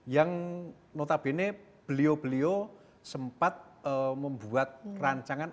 yang notabene beliau beliau sempat membuat rancangan